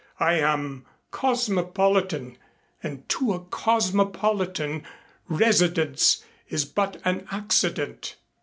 I am cosmopolitan and to a cosmopolitan, residence is but an accident."